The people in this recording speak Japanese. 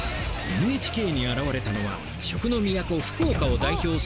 ＮＨＫに現れたのは食の都福岡を代表する屋台！